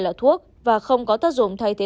là thuốc và không có tác dụng thay thế